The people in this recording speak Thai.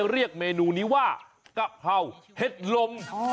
ก็เลยเรียกเมนูนี้ว่ากะเพร่าเฮ็ดลม